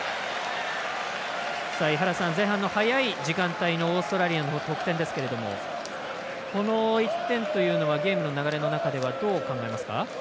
前半の早い時間帯のオーストラリアの得点ですけどもこの１点というのはゲームの流れの中ではどう考えますか？